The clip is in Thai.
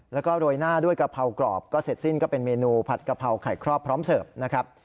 แล้วก็โรยหน้าด้วยกะเพรากรอบก็เสร็จสิ้นก็เป็นเมนูผัดกะเพราไข่ครอบพร้อมเสิร์ฟนะครับ